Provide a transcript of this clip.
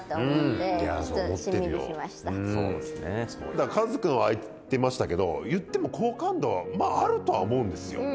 だからカズ君はああ言ってましたけどいっても好感度はまああるとは思うんですよ。